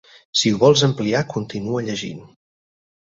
Si ho vols ampliar continua llegint.